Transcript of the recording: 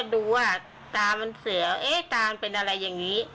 มันก็ดูว่าตามันเสื่อตามันเป็นอะไรอย่างนี้